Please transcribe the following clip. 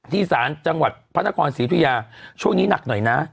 ที่สารจังหวัดพัทนากรสิรุยาช่วงนี้หนักหน่อยนะ